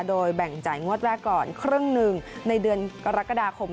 โดยแบ่งจ่ายงวดแรกก่อนครึ่งหนึ่งในเดือนกรกฎาคม